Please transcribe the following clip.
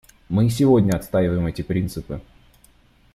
Мы и сегодня отстаиваем эти принципы.